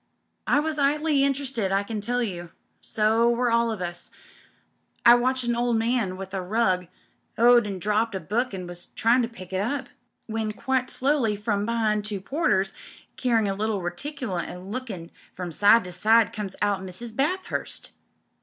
I was 'ighly interested, I can tell you. So were all of us. I watched an old man with a rug 'oo'd MRS. BATHURST 329 dropped a book an' was tryin' to pick it up^ when quite slowly, from be'ind two porters — carryin' a little reticule an' lookin' from side to side — comes out Mrs. Bathurst.